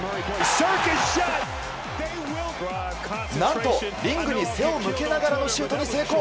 何と、リングに背を向けながらのシュートに成功。